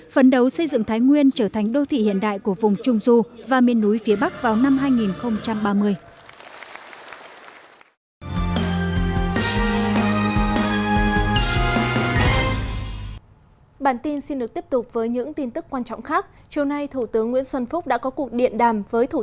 phấn đấu xây dựng thái nguyên trở thành đô thị hiện đại của vùng trung du và miền núi phía bắc vào năm hai nghìn ba mươi